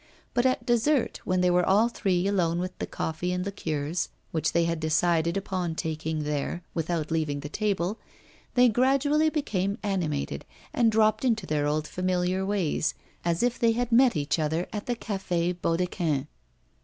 But at dessert, when they were all three alone with the coffee and liqueurs, which they had decided upon taking there, without leaving the table, they gradually became animated, and dropped into their old familiar ways, as if they had met each other at the Café Baudequin.